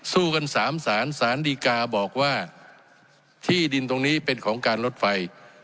สู้กันสามสารสารดีกาบอกว่าที่ดินตรงนี้เป็นของการลดไฟ